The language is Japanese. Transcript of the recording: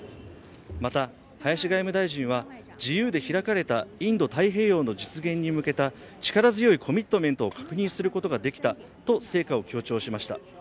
また、林外務大臣は自由で開かれたインド太平洋の実現に向けた力強いコミットメントを確認することができたと成果を強調しました。